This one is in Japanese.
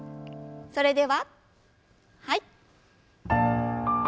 それでははい。